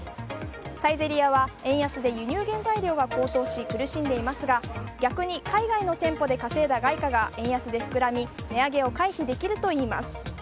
サイゼリヤは円安で輸入原材料が高騰し苦しんでいますが逆に海外の店舗で稼いだ外貨が円安で膨らみ値上げを回避できるといいます。